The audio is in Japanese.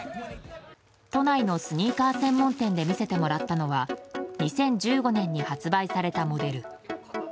都内のスニーカー専門店で見せてもらったのは２０１５年に発売されたモデル。